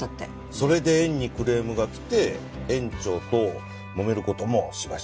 それで園にクレームが来て園長ともめる事もしばしば。